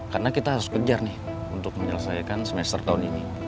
karena kita harus kejar nih untuk menyelesaikan semester tahun ini